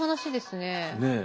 ねえ。